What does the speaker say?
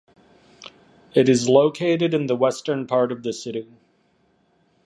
It is located in the western part of the city.